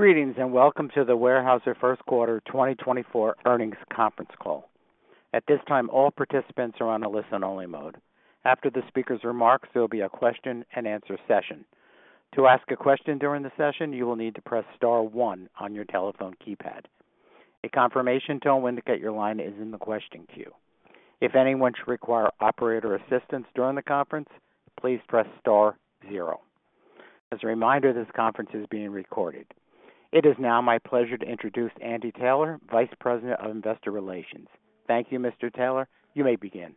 Greetings and welcome to the Weyerhaeuser First Quarter 2024 Earnings Conference Call. At this time, all participants are on a listen-only mode. After the speaker's remarks, there will be a question-and-answer session. To ask a question during the session, you will need to press star one on your telephone keypad. A confirmation tone will indicate your line is in the question queue. If anyone should require operator assistance during the conference, please press star zero. As a reminder, this conference is being recorded. It is now my pleasure to introduce Andy Taylor, Vice President of Investor Relations. Thank you, Mr. Taylor. You may begin.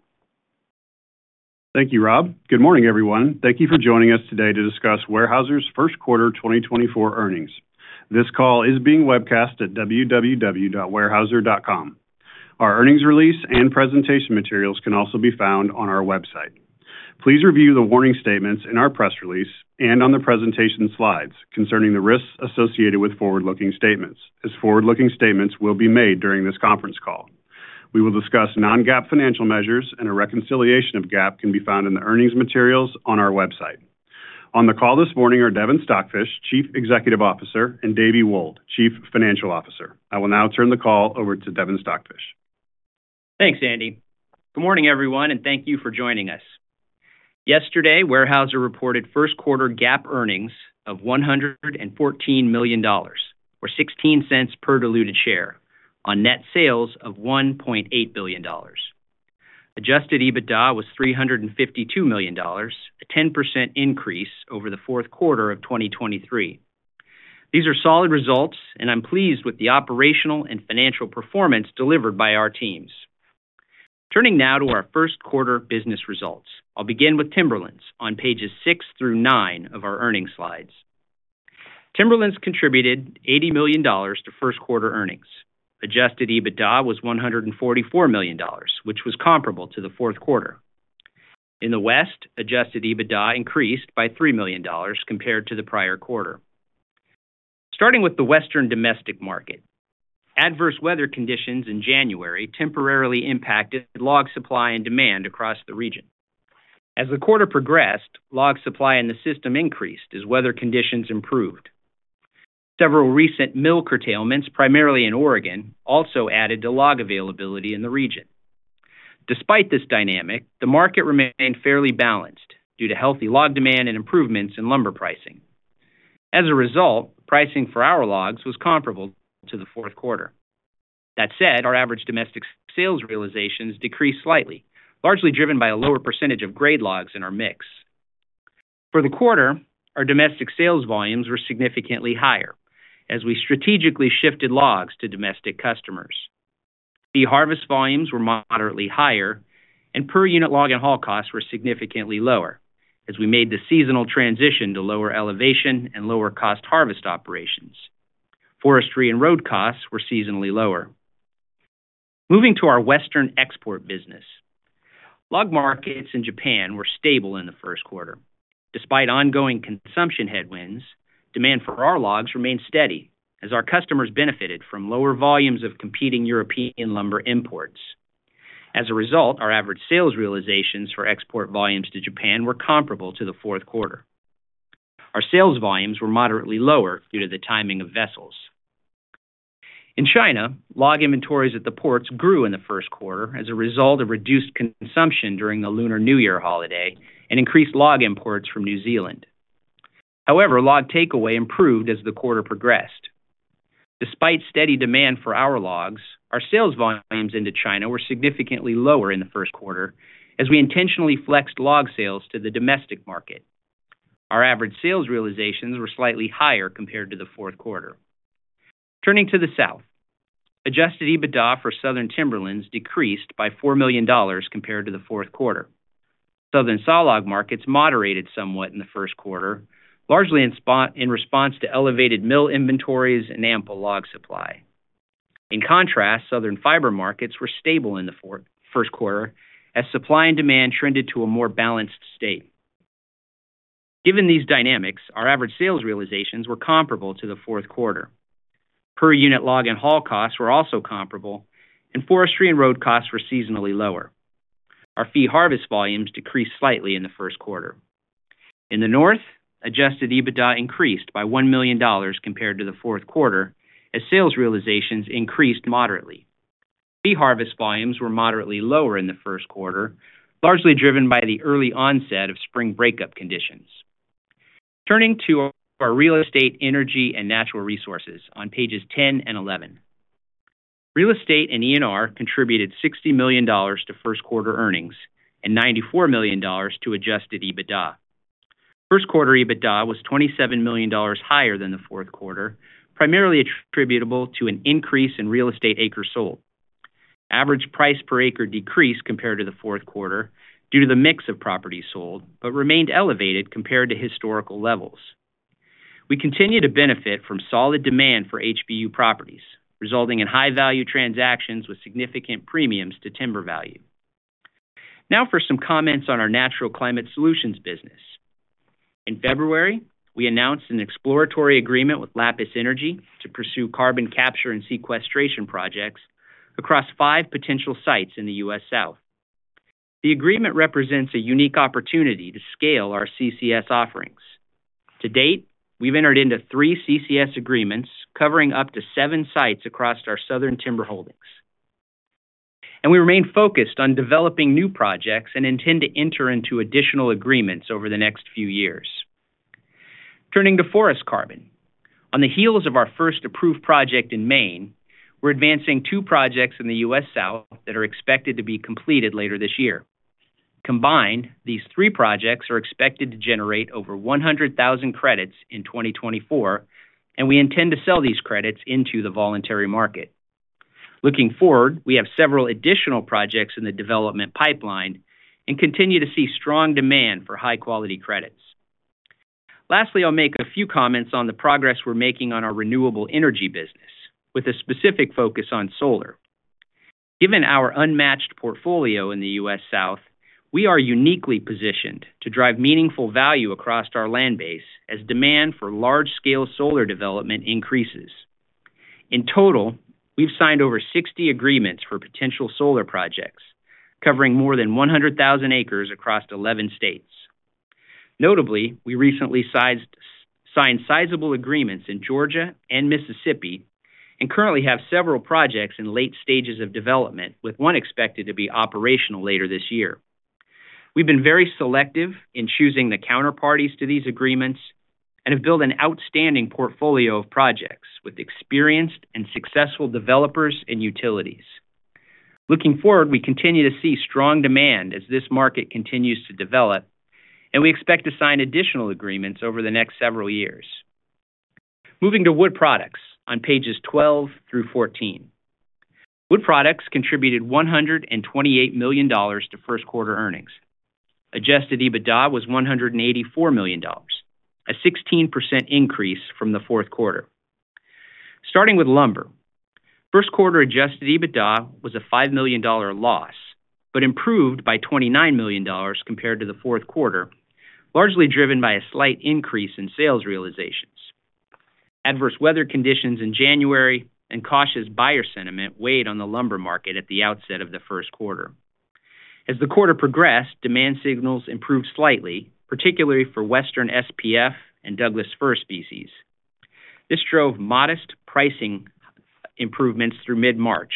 Thank you, Rob. Good morning, everyone. Thank you for joining us today to discuss Weyerhaeuser's First Quarter 2024 Earnings. This call is being webcast at www.weyerhaeuser.com. Our earnings release and presentation materials can also be found on our website. Please review the warning statements in our press release and on the presentation slides concerning the risks associated with forward-looking statements, as forward-looking statements will be made during this conference call. We will discuss non-GAAP financial measures, and a reconciliation of GAAP can be found in the earnings materials on our website. On the call this morning are Devin Stockfish, Chief Executive Officer, and David Wold, Chief Financial Officer. I will now turn the call over to Devin Stockfish. Thanks, Andy. Good morning, everyone, and thank you for joining us. Yesterday, Weyerhaeuser reported first quarter GAAP earnings of $114 million or $0.16 per diluted share, on net sales of $1.8 billion. Adjusted EBITDA was $352 million, a 10% increase over the fourth quarter of 2023. These are solid results, and I'm pleased with the operational and financial performance delivered by our teams. Turning now to our first quarter business results, I'll begin with Timberlands on pages 6 through 9 of our earnings slides. Timberlands contributed $80 million to first quarter earnings. Adjusted EBITDA was $144 million, which was comparable to the fourth quarter. In the West, adjusted EBITDA increased by $3 million compared to the prior quarter. Starting with the Western domestic market, adverse weather conditions in January temporarily impacted log supply and demand across the region. As the quarter progressed, log supply in the system increased as weather conditions improved. Several recent mill curtailments, primarily in Oregon, also added to log availability in the region. Despite this dynamic, the market remained fairly balanced due to healthy log demand and improvements in lumber pricing. As a result, pricing for our logs was comparable to the fourth quarter. That said, our average domestic sales realizations decreased slightly, largely driven by a lower percentage of grade logs in our mix. For the quarter, our domestic sales volumes were significantly higher as we strategically shifted logs to domestic customers. Fee harvest volumes were moderately higher, and per-unit log and haul costs were significantly lower as we made the seasonal transition to lower elevation and lower-cost harvest operations. Forestry and road costs were seasonally lower. Moving to our Western export business, log markets in Japan were stable in the first quarter. Despite ongoing consumption headwinds, demand for our logs remained steady as our customers benefited from lower volumes of competing European lumber imports. As a result, our average sales realizations for export volumes to Japan were comparable to the fourth quarter. Our sales volumes were moderately lower due to the timing of vessels. In China, log inventories at the ports grew in the first quarter as a result of reduced consumption during the Lunar New Year holiday and increased log imports from New Zealand. However, log takeaway improved as the quarter progressed. Despite steady demand for our logs, our sales volumes into China were significantly lower in the first quarter as we intentionally flexed log sales to the domestic market. Our average sales realizations were slightly higher compared to the fourth quarter. Turning to the South, Adjusted EBITDA for Southern Timberlands decreased by $4 million compared to the fourth quarter. Southern saw log markets moderated somewhat in the first quarter, largely in response to elevated mill inventories and ample log supply. In contrast, Southern fiber markets were stable in the first quarter as supply and demand trended to a more balanced state. Given these dynamics, our average sales realizations were comparable to the fourth quarter. Per-unit log and haul costs were also comparable, and forestry and road costs were seasonally lower. Our fee harvest volumes decreased slightly in the first quarter. In the North, Adjusted EBITDA increased by $1 million compared to the fourth quarter as sales realizations increased moderately. Fee harvest volumes were moderately lower in the first quarter, largely driven by the early onset of spring breakup conditions. Turning to our Real Estate, Energy, and Natural Resources on pages 10 and 11, real estate and ENR contributed $60 million to First Quarter Earnings and $94 million to adjusted EBITDA. First Quarter EBITDA was $27 million higher than the fourth quarter, primarily attributable to an increase in real estate acres sold. Average price per acre decreased compared to the fourth quarter due to the mix of properties sold but remained elevated compared to historical levels. We continue to benefit from solid demand for HBU properties, resulting in high-value transactions with significant premiums to timber value. Now for some comments on our Natural Climate Solutions business. In February, we announced an exploratory agreement with Lapis Energy to pursue carbon capture and sequestration projects across five potential sites in the U.S. South. The agreement represents a unique opportunity to scale our CCS offerings. To date, we've entered into three CCS agreements covering up to seven sites across our Southern timber holdings, and we remain focused on developing new projects and intend to enter into additional agreements over the next few years. Turning to forest carbon, on the heels of our first approved project in Maine, we're advancing two projects in the U.S. South that are expected to be completed later this year. Combined, these three projects are expected to generate over 100,000 credits in 2024, and we intend to sell these credits into the voluntary market. Looking forward, we have several additional projects in the development pipeline and continue to see strong demand for high-quality credits. Lastly, I'll make a few comments on the progress we're making on our renewable energy business, with a specific focus on solar. Given our unmatched portfolio in the U.S. South, we are uniquely positioned to drive meaningful value across our land base as demand for large-scale solar development increases. In total, we've signed over 60 agreements for potential solar projects, covering more than 100,000 acres across 11 states. Notably, we recently signed sizable agreements in Georgia and Mississippi and currently have several projects in late stages of development, with one expected to be operational later this year. We've been very selective in choosing the counterparties to these agreements and have built an outstanding portfolio of projects with experienced and successful developers and utilities. Looking forward, we continue to see strong demand as this market continues to develop, and we expect to sign additional agreements over the next several years. Moving to Wood Products on pages 12-14, wood products contributed $128 million to First Quarter Earnings. Adjusted EBITDA was $184 million, a 16% increase from the fourth quarter. Starting with lumber, first quarter Adjusted EBITDA was a $5 million loss but improved by $29 million compared to the fourth quarter, largely driven by a slight increase in sales realizations. Adverse weather conditions in January and cautious buyer sentiment weighed on the lumber market at the outset of the first quarter. As the quarter progressed, demand signals improved slightly, particularly for Western SPF and Douglas Fir species. This drove modest pricing improvements through mid-March.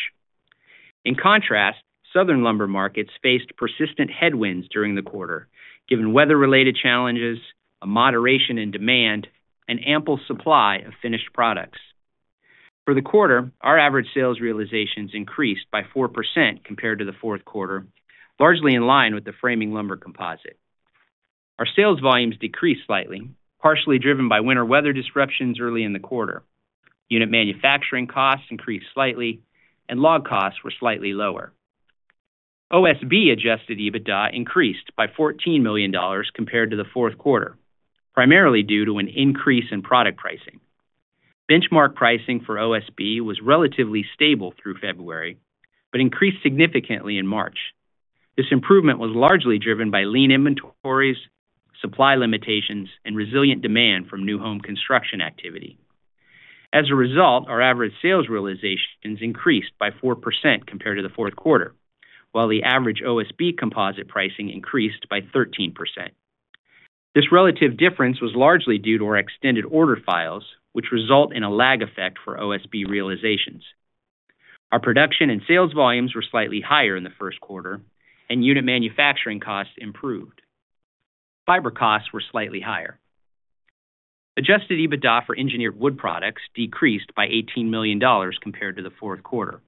In contrast, Southern lumber markets faced persistent headwinds during the quarter, given weather-related challenges, a moderation in demand, and ample supply of finished products. For the quarter, our average sales realizations increased by 4% compared to the fourth quarter, largely in line with the framing lumber composite. Our sales volumes decreased slightly, partially driven by winter weather disruptions early in the quarter. Unit manufacturing costs increased slightly, and log costs were slightly lower. OSB adjusted EBITDA increased by $14 million compared to the fourth quarter, primarily due to an increase in product pricing. Benchmark pricing for OSB was relatively stable through February but increased significantly in March. This improvement was largely driven by lean inventories, supply limitations, and resilient demand from new home construction activity. As a result, our average sales realizations increased by 4% compared to the fourth quarter, while the average OSB composite pricing increased by 13%. This relative difference was largely due to our extended order files, which result in a lag effect for OSB realizations. Our production and sales volumes were slightly higher in the first quarter, and unit manufacturing costs improved. Fiber costs were slightly higher. Adjusted EBITDA for engineered wood products decreased by $18 million compared to the fourth quarter,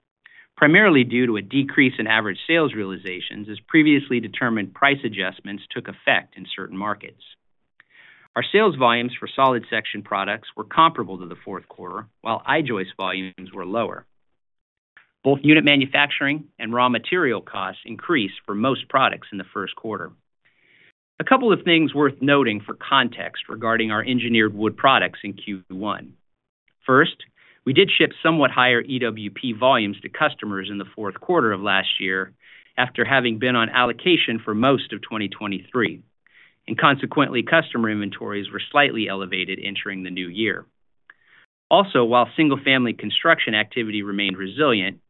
primarily due to a decrease in average sales realizations as previously determined price adjustments took effect in certain markets. Our sales volumes for solid section products were comparable to the fourth quarter, while I-joist volumes were lower. Both unit manufacturing and raw material costs increased for most products in the first quarter. A couple of things worth noting for context regarding our engineered wood products in Q1. First, we did ship somewhat higher EWP volumes to customers in the fourth quarter of last year after having been on allocation for most of 2023, and consequently, customer inventories were slightly elevated entering the new year. Also, while single-family construction activity remained resilient,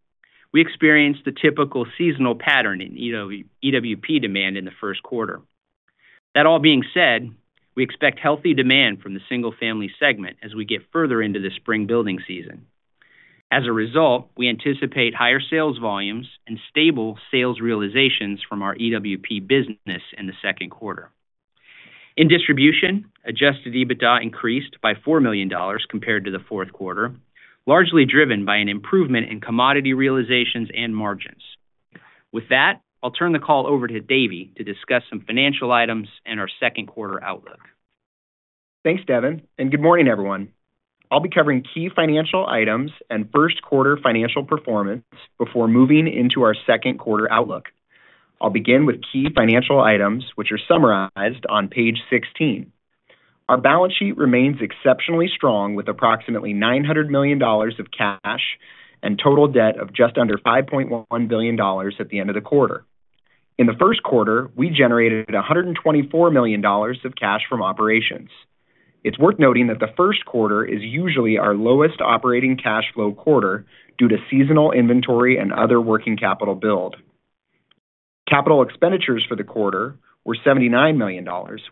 we experienced the typical seasonal pattern in EWP demand in the first quarter. That all being said, we expect healthy demand from the single-family segment as we get further into the spring building season. As a result, we anticipate higher sales volumes and stable sales realizations from our EWP business in the second quarter. In distribution, Adjusted EBITDA increased by $4 million compared to the fourth quarter, largely driven by an improvement in commodity realizations and margins. With that, I'll turn the call over to David to discuss some financial items and our second quarter outlook. Thanks, Devin, and good morning, everyone. I'll be covering key financial items and First Quarter Financial Performance before moving into our second quarter outlook. I'll begin with key financial items, which are summarized on page 16. Our balance sheet remains exceptionally strong, with approximately $900 million of cash and total debt of just under $5.1 billion at the end of the quarter. In the first quarter, we generated $124 million of cash from operations. It's worth noting that the first quarter is usually our lowest operating cash flow quarter due to seasonal inventory and other working capital build. Capital expenditures for the quarter were $79 million,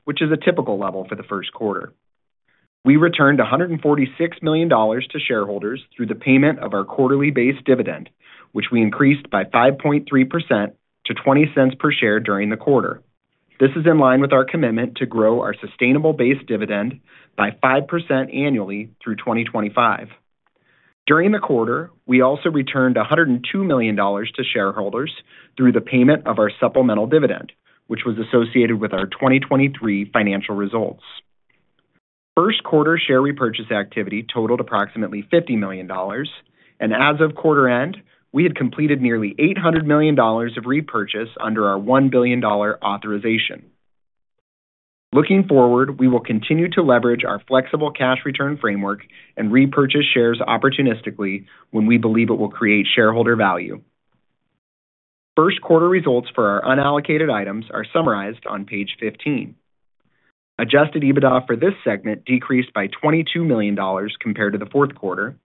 which is a typical level for the first quarter. We returned $146 million to shareholders through the payment of our quarterly base dividend, which we increased by 5.3% to $0.20 per share during the quarter. This is in line with our commitment to grow our sustainable base dividend by 5% annually through 2025. During the quarter, we also returned $102 million to shareholders through the payment of our supplemental dividend, which was associated with our 2023 financial results. First quarter share repurchase activity totaled approximately $50 million, and as of quarter end, we had completed nearly $800 million of repurchase under our $1 billion authorization. Looking forward, we will continue to leverage our flexible cash return framework and repurchase shares opportunistically when we believe it will create shareholder value. First quarter results for our unallocated items are summarized on page 15. Adjusted EBITDA for this segment decreased by $22 million compared to the fourth quarter,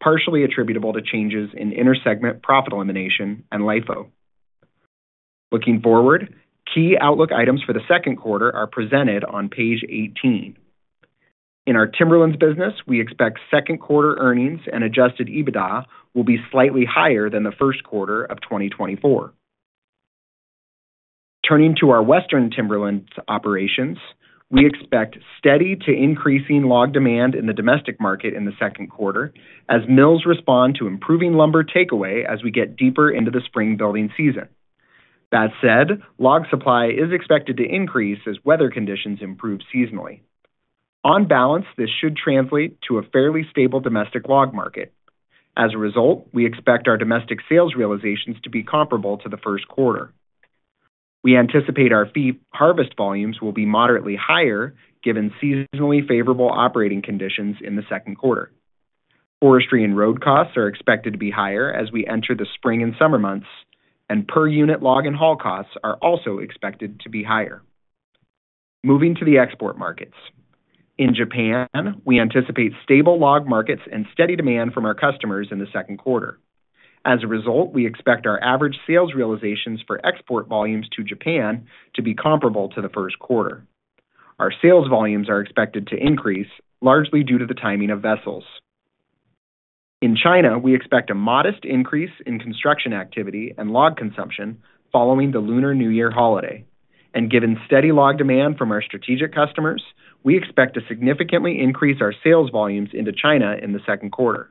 partially attributable to changes in intersegment profit elimination and LIFO. Looking forward, key outlook items for the second quarter are presented on page 18. In our Timberlands business, we expect second quarter earnings and Adjusted EBITDA will be slightly higher than the first quarter of 2024. Turning to our Western Timberlands operations, we expect steady to increasing log demand in the domestic market in the second quarter as mills respond to improving lumber takeaway as we get deeper into the spring building season. That said, log supply is expected to increase as weather conditions improve seasonally. On balance, this should translate to a fairly stable domestic log market. As a result, we expect our domestic sales realizations to be comparable to the first quarter. We anticipate our Fee Harvest Volumes will be moderately higher given seasonally favorable operating conditions in the second quarter. Forestry and road costs are expected to be higher as we enter the spring and summer months, and per-unit log and haul costs are also expected to be higher. Moving to the export markets. In Japan, we anticipate stable log markets and steady demand from our customers in the second quarter. As a result, we expect our average sales realizations for export volumes to Japan to be comparable to the first quarter. Our sales volumes are expected to increase, largely due to the timing of vessels. In China, we expect a modest increase in construction activity and log consumption following the Lunar New Year holiday, and given steady log demand from our strategic customers, we expect to significantly increase our sales volumes into China in the second quarter.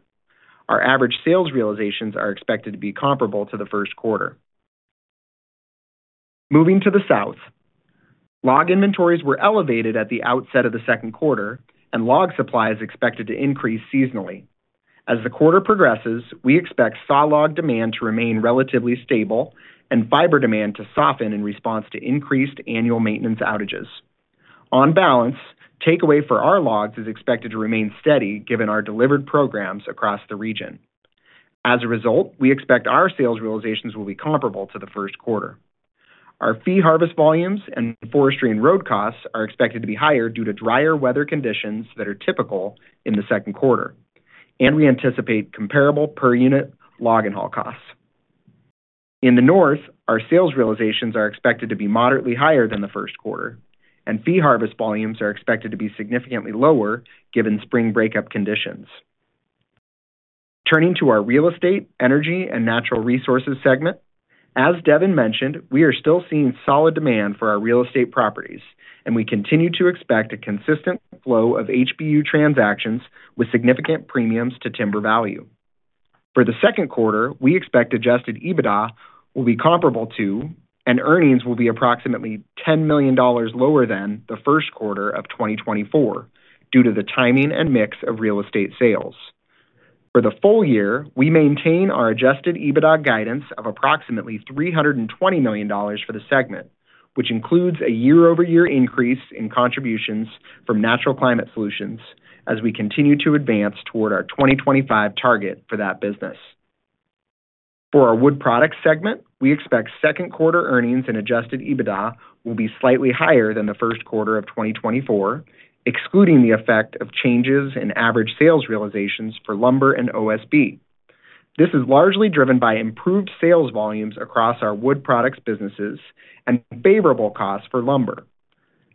Our average sales realizations are expected to be comparable to the first quarter. Moving to the South. Log inventories were elevated at the outset of the second quarter, and log supply is expected to increase seasonally. As the quarter progresses, we expect saw log demand to remain relatively stable and fiber demand to soften in response to increased annual maintenance outages. On balance, takeaway for our logs is expected to remain steady given our delivered programs across the region. As a result, we expect our sales realizations will be comparable to the first quarter. Our fee harvest volumes and forestry and road costs are expected to be higher due to drier weather conditions that are typical in the second quarter, and we anticipate comparable per-unit log and haul costs. In the North, our sales realizations are expected to be moderately higher than the first quarter, and fee harvest volumes are expected to be significantly lower given spring breakup conditions. Turning to our Real Estate, Energy, and Natural Resources segment. As Devin mentioned, we are still seeing solid demand for our Real Estate properties, and we continue to expect a consistent flow of HBU transactions with significant premiums to timber value. For the second quarter, we expect adjusted EBITDA will be comparable to, and earnings will be approximately $10 million lower than the first quarter of 2024 due to the timing and mix of Real Estate sales. For the full year, we maintain our adjusted EBITDA guidance of approximately $320 million for the segment, which includes a year-over-year increase in contributions from Natural Climate Solutions as we continue to advance toward our 2025 target for that business. For our Wood Products segment, we expect second quarter earnings and adjusted EBITDA will be slightly higher than the first quarter of 2024, excluding the effect of changes in average sales realizations for Lumber and OSB. This is largely driven by improved sales volumes across our wood products businesses and favorable costs for lumber.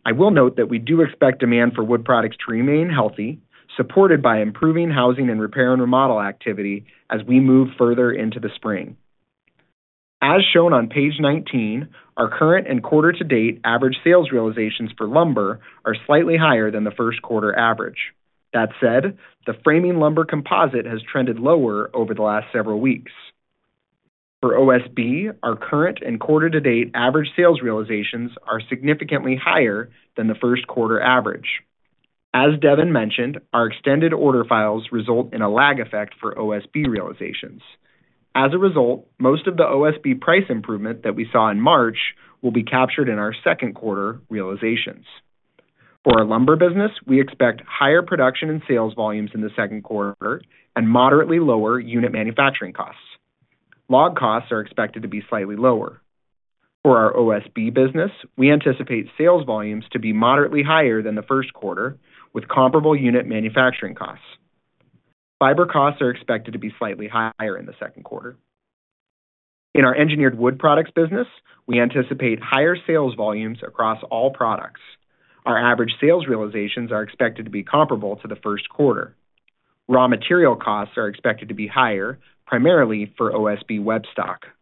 I will note that we do expect demand for wood products to remain healthy, supported by improving housing and repair and remodel activity as we move further into the spring. As shown on page 19, our current and quarter-to-date average sales realizations for lumber are slightly higher than the first quarter average. That said, the framing lumber composite has trended lower over the last several weeks. For OSB, our current and quarter-to-date average sales realizations are significantly higher than the first quarter average. As Devin mentioned, our extended order files result in a lag effect for OSB realizations. As a result, most of the OSB price improvement that we saw in March will be captured in our second quarter realizations. For our lumber business, we expect higher production and sales volumes in the second quarter and moderately lower unit manufacturing costs. Log costs are expected to be slightly lower. For our OSB business, we anticipate sales volumes to be moderately higher than the first quarter with comparable unit manufacturing costs. Fiber costs are expected to be slightly higher in the second quarter. In our engineered Wood Products business, we anticipate higher sales volumes across all products. Our average sales realizations are expected to be comparable to the first quarter. Raw material costs are expected to be higher, primarily for OSB Webstock. For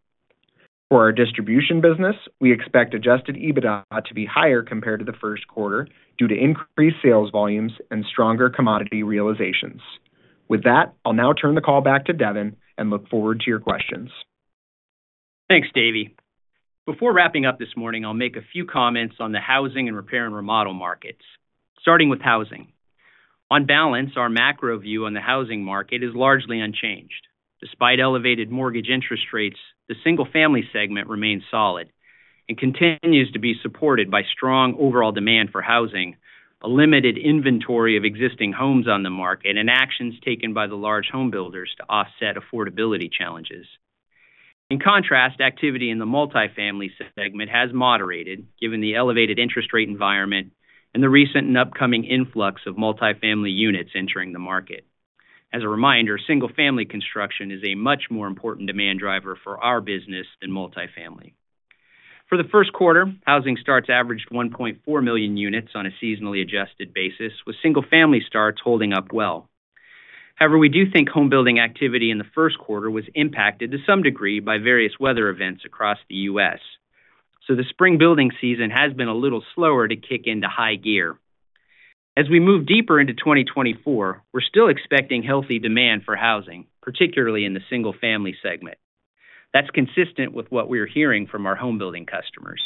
our distribution business, we expect Adjusted EBITDA to be higher compared to the first quarter due to increased sales volumes and stronger commodity realizations. With that, I'll now turn the call back to Devin and look forward to your questions. Thanks, David. Before wrapping up this morning, I'll make a few comments on the housing and Repair and Remodel markets. Starting with housing. On balance, our macro view on the housing market is largely unchanged. Despite elevated mortgage interest rates, the single-family segment remains solid and continues to be supported by strong overall demand for housing, a limited inventory of existing homes on the market, and actions taken by the large homebuilders to offset affordability challenges. In contrast, activity in the multifamily segment has moderated given the elevated interest rate environment and the recent and upcoming influx of multifamily units entering the market. As a reminder, single-family construction is a much more important demand driver for our business than multifamily. For the first quarter, housing starts averaged 1.4 million units on a seasonally adjusted basis, with single-family starts holding up well. However, we do think homebuilding activity in the first quarter was impacted to some degree by various weather events across the U.S., so the spring building season has been a little slower to kick into high gear. As we move deeper into 2024, we're still expecting healthy demand for housing, particularly in the single-family segment. That's consistent with what we are hearing from our homebuilding customers.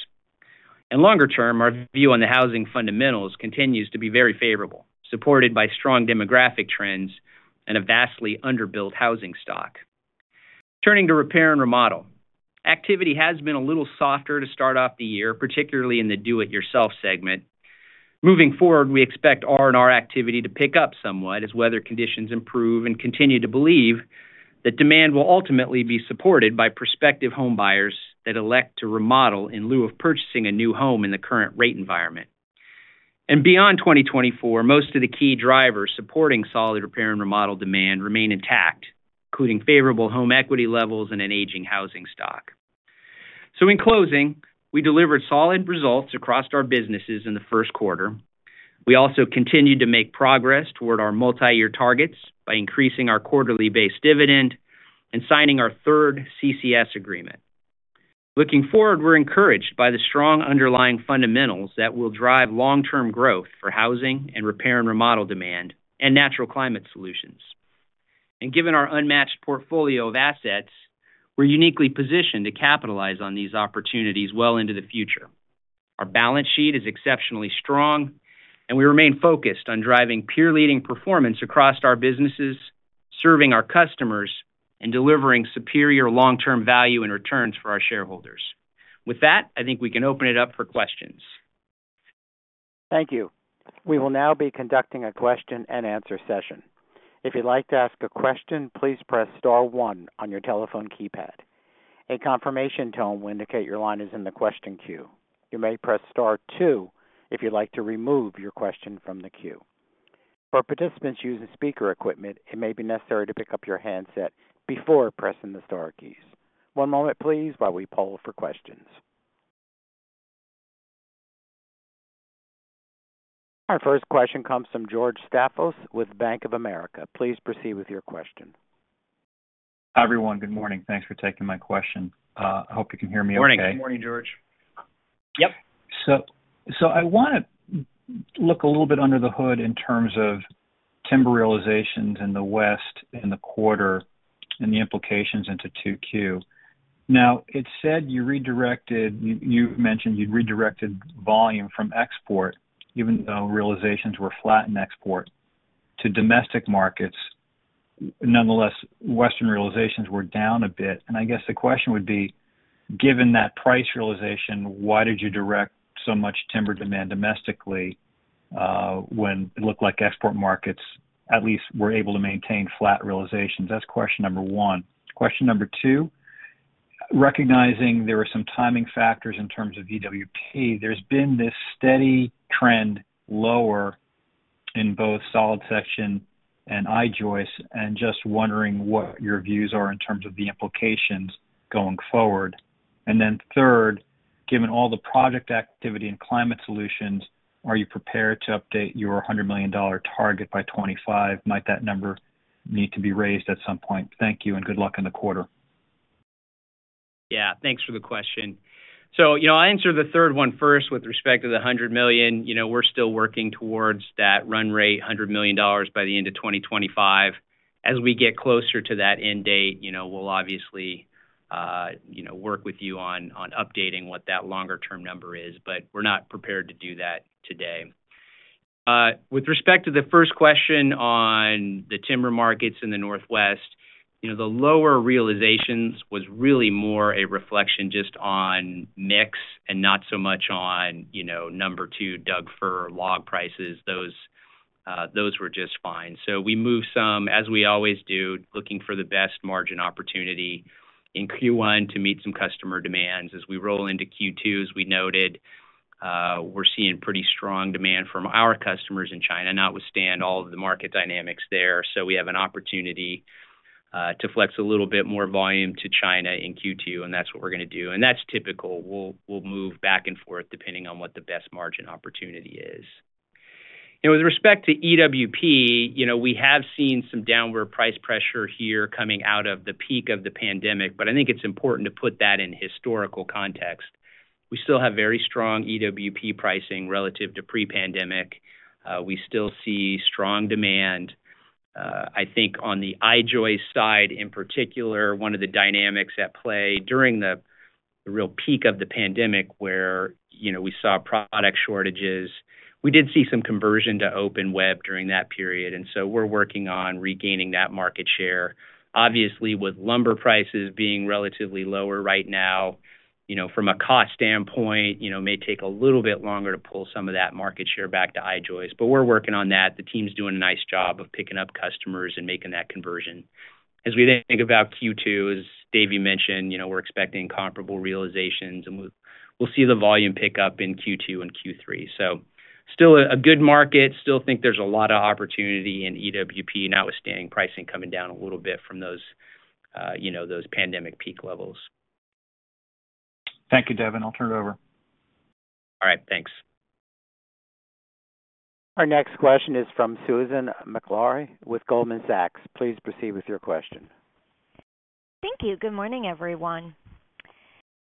In longer term, our view on the housing fundamentals continues to be very favorable, supported by strong demographic trends and a vastly underbuilt housing stock. Turning to repair and remodel. Activity has been a little softer to start off the year, particularly in the do-it-yourself segment. Moving forward, we expect R&R activity to pick up somewhat as weather conditions improve and continue to believe that demand will ultimately be supported by prospective homebuyers that elect to remodel in lieu of purchasing a new home in the current rate environment. Beyond 2024, most of the key drivers supporting solid repair and remodel demand remain intact, including favorable home equity levels and an aging housing stock. In closing, we delivered solid results across our businesses in the first quarter. We also continued to make progress toward our multi-year targets by increasing our quarterly base dividend and signing our third CCS agreement. Looking forward, we're encouraged by the strong underlying fundamentals that will drive long-term growth for housing and repair and remodel demand and Natural Climate Solutions. Given our unmatched portfolio of assets, we're uniquely positioned to capitalize on these opportunities well into the future. Our balance sheet is exceptionally strong, and we remain focused on driving peer-leading performance across our businesses, serving our customers, and delivering superior long-term value and returns for our shareholders. With that, I think we can open it up for questions. Thank you. We will now be conducting a question-and-answer session. If you'd like to ask a question, please press star one on your telephone keypad. A confirmation tone will indicate your line is in the question queue. You may press star two if you'd like to remove your question from the queue. For participants using speaker equipment, it may be necessary to pick up your handset before pressing the star keys. One moment, please, while we poll for questions. Our first question comes from George Staphos with Bank of America. Please proceed with your question. Hi everyone. Good morning. Thanks for taking my question. I hope you can hear me okay. Good morning. Good morning, George. Yep. So I want to look a little bit under the hood in terms of timber realizations in the West in the quarter and the implications into 2Q. Now, it said you mentioned you'd redirected volume from export, even though realizations were flat in export, to domestic markets. Nonetheless, Western realizations were down a bit. I guess the question would be, given that price realization, why did you direct so much timber demand domestically when it looked like export markets at least were able to maintain flat realizations? That's question number one. Question number two, recognizing there were some timing factors in terms of EWP, there's been this steady trend lower in both solid section and I-joists, and just wondering what your views are in terms of the implications going forward. And then third, given all the project activity and climate solutions, are you prepared to update your $100 million target by 2025? Might that number need to be raised at some point? Thank you, and good luck in the quarter. Yeah. Thanks for the question. So I'll answer the third one first with respect to the $100 million. We're still working towards that run rate, $100 million by the end of 2025. As we get closer to that end date, we'll obviously work with you on updating what that longer-term number is, but we're not prepared to do that today. With respect to the first question on the timber markets in the Northwest, the lower realizations was really more a reflection just on mix and not so much on number two Doug Fir log prices. Those were just fine. So we moved some, as we always do, looking for the best margin opportunity in Q1 to meet some customer demands. As we roll into Q2, as we noted, we're seeing pretty strong demand from our customers in China. Notwithstanding all of the market dynamics there, so we have an opportunity to flex a little bit more volume to China in Q2, and that's what we're going to do. That's typical. We'll move back and forth depending on what the best margin opportunity is. With respect to EWP, we have seen some downward price pressure here coming out of the peak of the pandemic, but I think it's important to put that in historical context. We still have very strong EWP pricing relative to pre-pandemic. We still see strong demand. I think on the I-joists side in particular, one of the dynamics at play during the real peak of the pandemic where we saw product shortages, we did see some conversion to open web during that period, and so we're working on regaining that market share. Obviously, with lumber prices being relatively lower right now, from a cost standpoint, it may take a little bit longer to pull some of that market share back to I-joists, but we're working on that. The team's doing a nice job of picking up customers and making that conversion. As we think about Q2, as Devin mentioned, we're expecting comparable realizations, and we'll see the volume pick up in Q2 and Q3. So still a good market. Still think there's a lot of opportunity in EWP, notwithstanding pricing coming down a little bit from those pandemic peak levels. Thank you, Devin. I'll turn it over. All right. Thanks. Our next question is from Susan Maklari with Goldman Sachs. Please proceed with your question. Thank you. Good morning, everyone.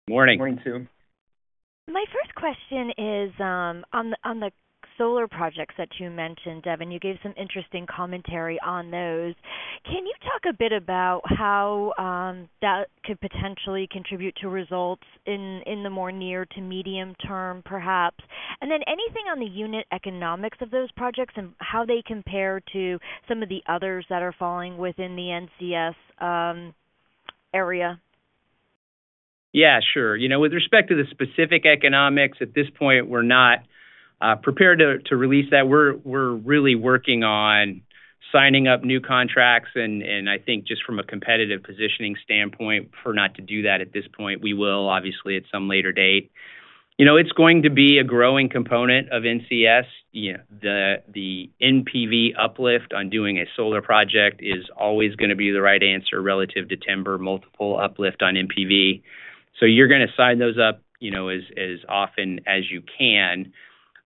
Good morning. Morning, Sue. My first question is on the solar projects that you mentioned, Devin. You gave some interesting commentary on those. Can you talk a bit about how that could potentially contribute to results in the more near to medium term, perhaps? And then anything on the unit economics of those projects and how they compare to some of the others that are falling within the NCS area? Yeah, sure. With respect to the specific economics, at this point, we're not prepared to release that. We're really working on signing up new contracts, and I think just from a competitive positioning standpoint, for not to do that at this point, we will, obviously, at some later date. It's going to be a growing component of NCS. The NPV uplift on doing a solar project is always going to be the right answer relative to timber multiple uplift on NPV. So you're going to sign those up as often as you can.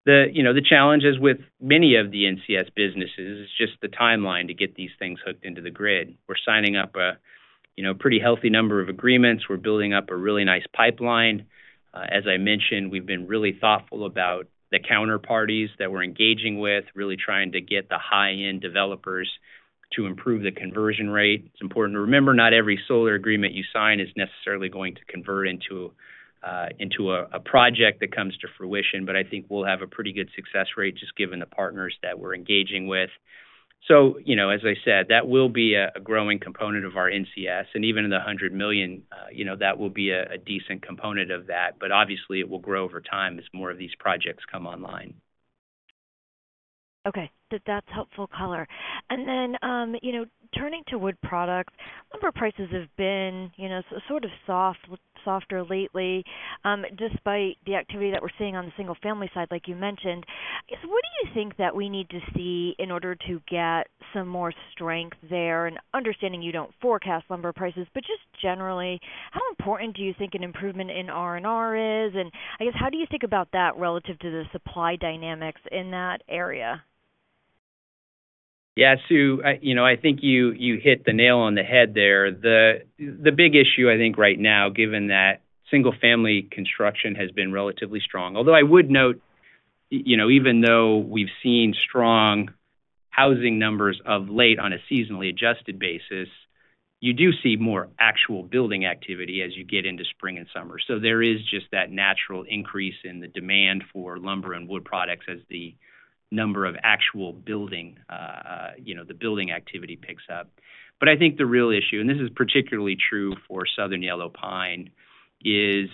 The challenge is with many of the NCS businesses is just the timeline to get these things hooked into the grid. We're signing up a pretty healthy number of agreements. We're building up a really nice pipeline. As I mentioned, we've been really thoughtful about the counterparties that we're engaging with, really trying to get the high-end developers to improve the conversion rate. It's important to remember, not every solar agreement you sign is necessarily going to convert into a project that comes to fruition, but I think we'll have a pretty good success rate just given the partners that we're engaging with. So as I said, that will be a growing component of our NCS, and even in the $100 million, that will be a decent component of that, but obviously, it will grow over time as more of these projects come online. Okay. That's helpful color. And then turning to Wood Products, lumber prices have been sort of softer lately despite the activity that we're seeing on the single-family side, like you mentioned. I guess what do you think that we need to see in order to get some more strength there? And understanding you don't forecast lumber prices, but just generally, how important do you think an improvement in R&R is? And I guess how do you think about that relative to the supply dynamics in that area? Yeah, Sue, I think you hit the nail on the head there. The big issue, I think, right now, given that single-family construction has been relatively strong although I would note, even though we've seen strong housing numbers of late on a seasonally adjusted basis, you do see more actual building activity as you get into spring and summer. So there is just that natural increase in the demand for lumber and wood products as the number of actual building activity picks up. But I think the real issue, and this is particularly true for Southern Yellow Pine, is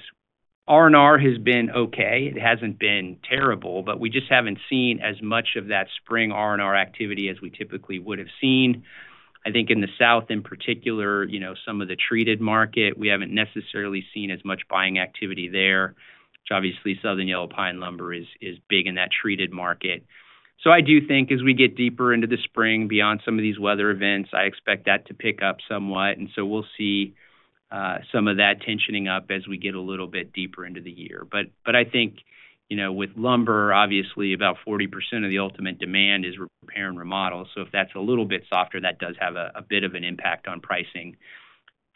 R&R has been okay. It hasn't been terrible, but we just haven't seen as much of that spring R&R activity as we typically would have seen. I think in the South, in particular, some of the treated market, we haven't necessarily seen as much buying activity there, which obviously, Southern Yellow Pine lumber is big in that treated market. So I do think as we get deeper into the spring, beyond some of these weather events, I expect that to pick up somewhat, and so we'll see some of that tensioning up as we get a little bit deeper into the year. But I think with lumber, obviously, about 40% of the ultimate demand is repair and remodel, so if that's a little bit softer, that does have a bit of an impact on pricing.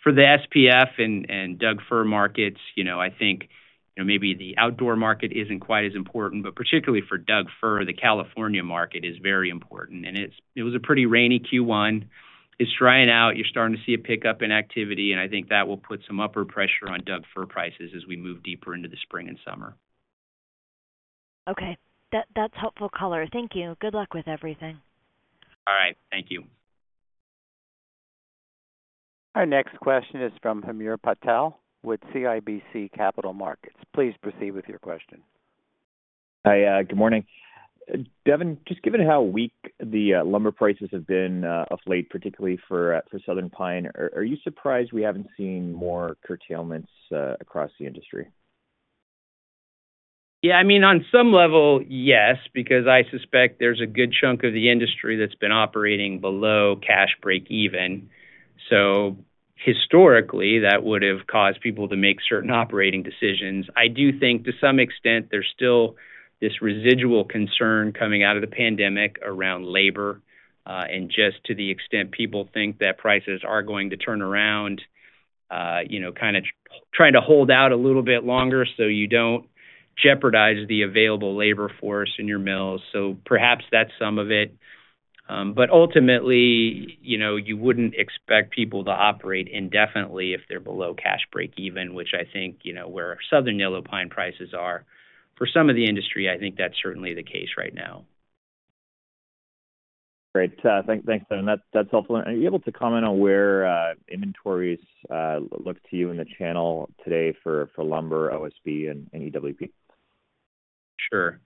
For the SPF and Doug Fir markets, I think maybe the outdoor market isn't quite as important, but particularly for Doug Fir, the California market is very important. And it was a pretty rainy Q1. It's drying out. You're starting to see a pickup in activity, and I think that will put some upper pressure on Doug Fir prices as we move deeper into the spring and summer. Okay. That's helpful color. Thank you. Good luck with everything. All right. Thank you. Our next question is from Hamir Patel with CIBC Capital Markets. Please proceed with your question. Hi. Good morning. Devin, just given how weak the lumber prices have been of late, particularly for Southern Pine, are you surprised we haven't seen more curtailments across the industry? Yeah. I mean, on some level, yes, because I suspect there's a good chunk of the industry that's been operating below cash break-even. So historically, that would have caused people to make certain operating decisions. I do think, to some extent, there's still this residual concern coming out of the pandemic around labor and just to the extent people think that prices are going to turn around, kind of trying to hold out a little bit longer so you don't jeopardize the available labor force in your mills. So perhaps that's some of it. But ultimately, you wouldn't expect people to operate indefinitely if they're below cash break-even, which I think where Southern Yellow Pine prices are. For some of the industry, I think that's certainly the case right now. Great. Thanks, Devin. That's helpful. Are you able to comment on where inventories look to you in the channel today for lumber, OSB, and EWP? Sure.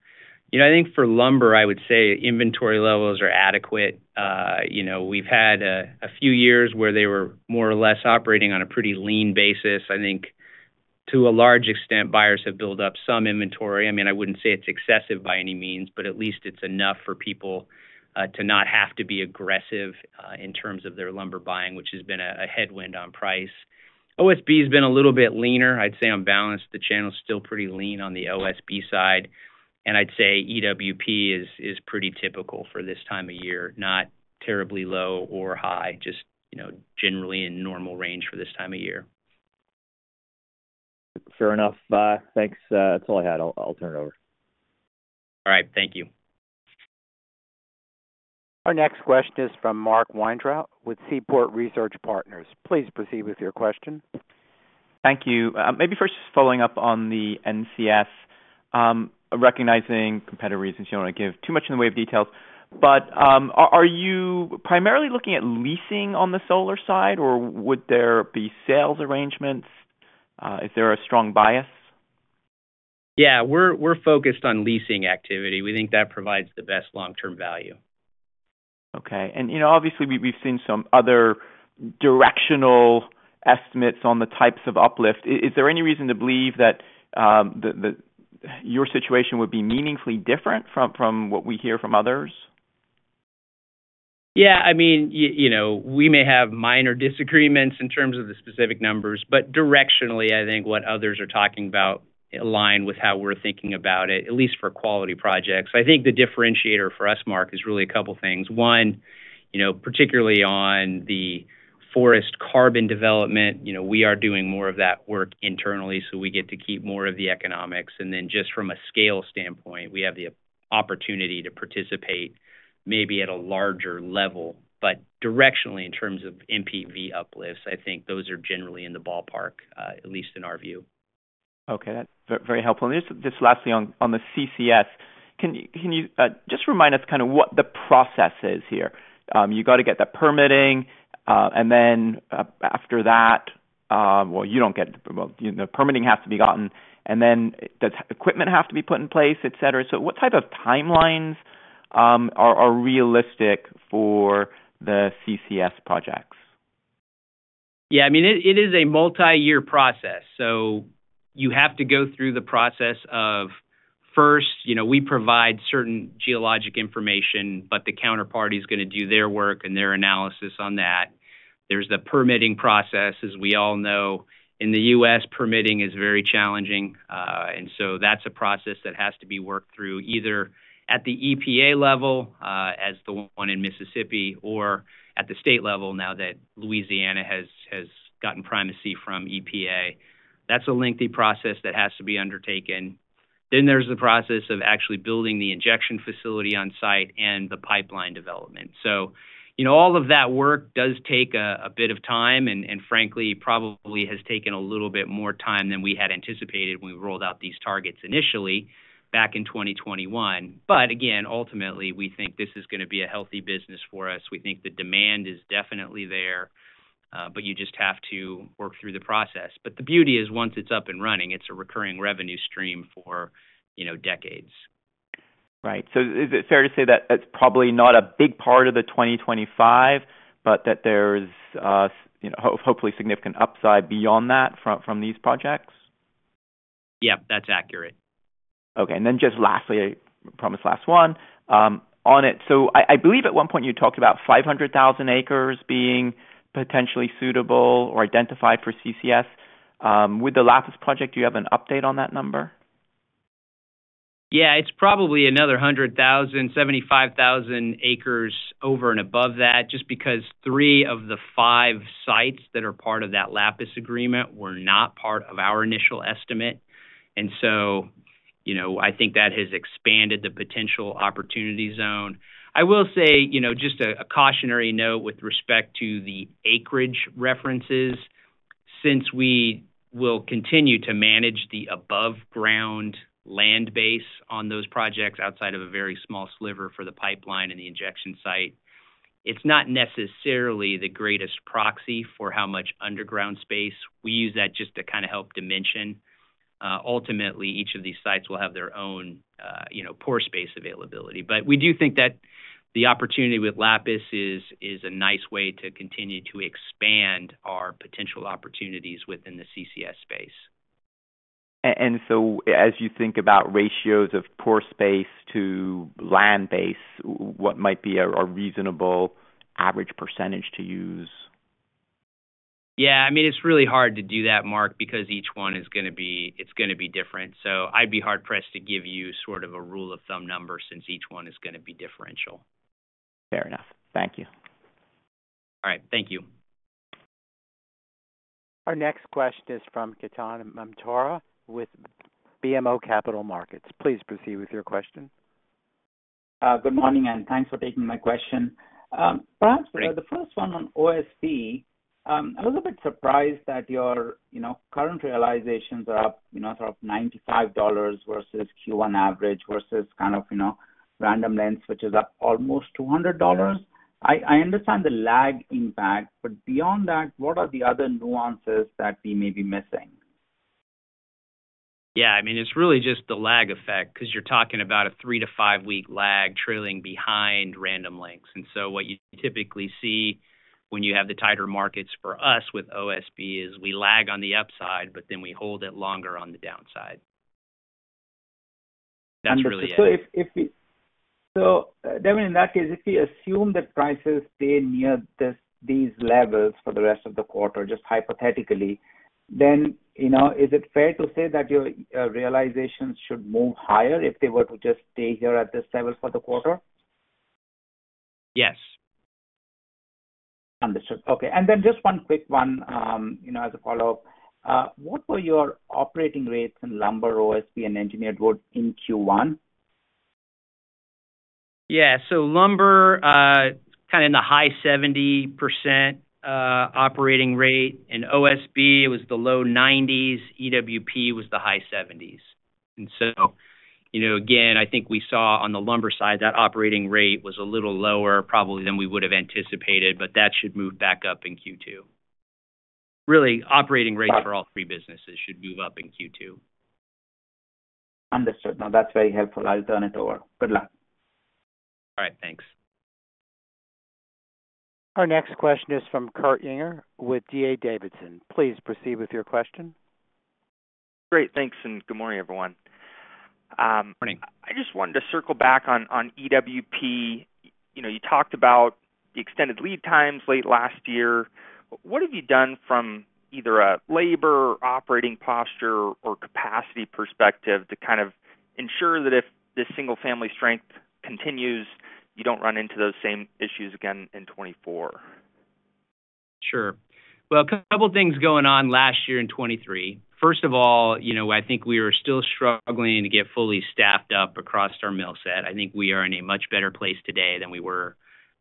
I think for lumber, I would say inventory levels are adequate. We've had a few years where they were more or less operating on a pretty lean basis. I think to a large extent, buyers have built up some inventory. I mean, I wouldn't say it's excessive by any means, but at least it's enough for people to not have to be aggressive in terms of their lumber buying, which has been a headwind on price. OSB's been a little bit leaner. I'd say on balance, the channel's still pretty lean on the OSB side, and I'd say EWP is pretty typical for this time of year, not terribly low or high, just generally in normal range for this time of year. Fair enough. Thanks. That's all I had. I'll turn it over. All right. Thank you. Our next question is from Mark Weintraub with Seaport Research Partners. Please proceed with your question. Thank you. Maybe first just following up on the NCS. Recognizing competitor reasons, you don't want to give too much in the way of details, but are you primarily looking at leasing on the solar side, or would there be sales arrangements? Is there a strong bias? Yeah. We're focused on leasing activity. We think that provides the best long-term value. Okay. And obviously, we've seen some other directional estimates on the types of uplift. Is there any reason to believe that your situation would be meaningfully different from what we hear from others? Yeah. I mean, we may have minor disagreements in terms of the specific numbers, but directionally, I think what others are talking about aligns with how we're thinking about it, at least for quality projects. I think the differentiator for us, Mark, is really a couple of things. One, particularly on the forest carbon development, we are doing more of that work internally so we get to keep more of the economics. And then just from a scale standpoint, we have the opportunity to participate maybe at a larger level. But directionally, in terms of NPV uplifts, I think those are generally in the ballpark, at least in our view. Okay. That's very helpful. And just lastly, on the CCS, can you just remind us kind of what the process is here? You've got to get that permitting, and then after that well, you don't get the well, the permitting has to be gotten, and then does equipment have to be put in place, etc.? So what type of timelines are realistic for the CCS projects? Yeah. I mean, it is a multi-year process, so you have to go through the process of first, we provide certain geologic information, but the counterparty's going to do their work and their analysis on that. There's the permitting process, as we all know. In the U.S., permitting is very challenging, and so that's a process that has to be worked through either at the EPA level as the one in Mississippi or at the state level now that Louisiana has gotten primacy from EPA. That's a lengthy process that has to be undertaken. Then there's the process of actually building the injection facility on-site and the pipeline development. So all of that work does take a bit of time and, frankly, probably has taken a little bit more time than we had anticipated when we rolled out these targets initially back in 2021. But again, ultimately, we think this is going to be a healthy business for us. We think the demand is definitely there, but you just have to work through the process. But the beauty is once it's up and running, it's a recurring revenue stream for decades. Right. So is it fair to say that that's probably not a big part of the 2025, but that there's hopefully significant upside beyond that from these projects? Yep. That's accurate. Okay. And then just lastly, I promised last one. So I believe at one point, you talked about 500,000 acres being potentially suitable or identified for CCS. With the Lapis project, do you have an update on that number? Yeah. It's probably another 100,000, 75,000 acres over and above that just because three of the five sites that are part of that Lapis agreement were not part of our initial estimate. And so I think that has expanded the potential opportunity zone. I will say just a cautionary note with respect to the acreage references since we will continue to manage the above-ground land base on those projects outside of a very small sliver for the pipeline and the injection site. It's not necessarily the greatest proxy for how much underground space. We use that just to kind of help dimension. Ultimately, each of these sites will have their own pore space availability. But we do think that the opportunity with Lapis is a nice way to continue to expand our potential opportunities within the CCS space. And so as you think about ratios of pore space to land base, what might be a reasonable average percentage to use? Yeah. I mean, it's really hard to do that, Mark, because each one is going to be different. So I'd be hard-pressed to give you sort of a rule of thumb number since each one is going to be different. Fair enough. Thank you. All right. Thank you. Our next question is from Ketan Mamtora with BMO Capital Markets. Please proceed with your question. Good morning, and thanks for taking my question. Perhaps the first one on OSB, I was a bit surprised that your current realizations are up sort of $95 versus Q1 average versus kind of Random Lengths, which is up almost $200. I understand the lag impact, but beyond that, what are the other nuances that we may be missing? Yeah. I mean, it's really just the lag effect because you're talking about a 3-5-week lag trailing behind Random Lengths. And so what you typically see when you have the tighter markets for us with OSB is we lag on the upside, but then we hold it longer on the downside. That's really it. So Devin, in that case, if we assume that prices stay near these levels for the rest of the quarter, just hypothetically, then is it fair to say that your realizations should move higher if they were to just stay here at this level for the quarter? Yes. Understood. Okay. And then just one quick one as a follow-up. What were your operating rates in lumber, OSB, and engineered wood in Q1? Yeah. So lumber, kind of in the high 70% operating rate. In OSB, it was the low 90s%. EWP was the high 70s%. And so again, I think we saw on the lumber side, that operating rate was a little lower probably than we would have anticipated, but that should move back up in Q2. Really, operating rates for all three businesses should move up in Q2. Understood. No, that's very helpful. I'll turn it over. Good luck. All right. Thanks. Our next question is from Kurt Yinger with D.A. Davidson. Please proceed with your question. Great. Thanks, and good morning, everyone. Morning. I just wanted to circle back on EWP. You talked about the extended lead times late last year. What have you done from either a labor, operating posture, or capacity perspective to kind of ensure that if this single-family strength continues, you don't run into those same issues again in 2024? Sure. Well, a couple of things going on last year in 2023. First of all, I think we were still struggling to get fully staffed up across our mill set. I think we are in a much better place today than we were